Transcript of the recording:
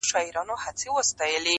نور بيا د ژوند عادي چارو ته ستنېږي ورو,